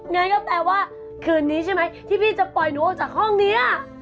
งั้นก็แปลว่าคืนนี้ใช่ไหมที่พี่จะปล่อยหนูออกจากห้องนี้